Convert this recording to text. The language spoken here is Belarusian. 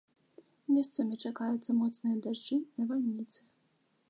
Месцамі чакаюцца моцныя дажджы, навальніцы.